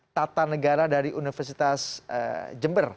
tata negara dari universitas jember